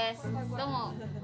どうも。